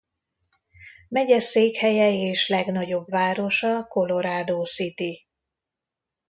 Megyeszékhelye és legnagyobb városa Colorado City.